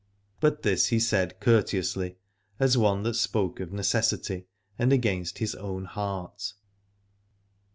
But this he said courteously, as one that spoke of necessity and against his own heart.